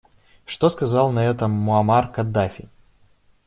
Что сказал на это Муамар Каддафи?